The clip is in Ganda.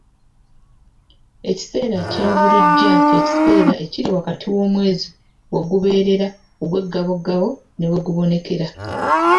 Ekiseera ky’envuluugya kye'kiseera ekiri wakati w’omwezi we gubeerera ogw’eggabogabo ne we gubonekera.